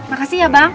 makasih ya bang